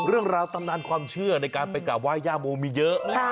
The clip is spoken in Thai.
เรื่องนานความเชื่อในการไปกับวาย่าโมมีเยอะ